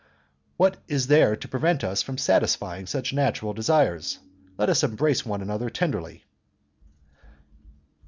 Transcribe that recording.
"What is there to prevent us from satisfying such natural desires? Let us embrace one another tenderly."